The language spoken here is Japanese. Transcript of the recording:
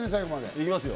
行きますよ。